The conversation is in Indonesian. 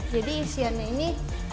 jadi isiannya ini